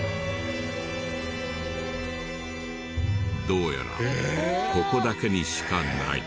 どうやらここだけにしかない。